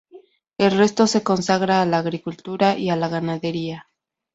El resto se consagra a la agricultura y a la ganadería.